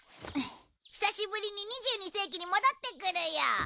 久しぶりに２２世紀に戻ってくるよ。